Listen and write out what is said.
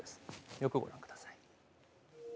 よくご覧ください。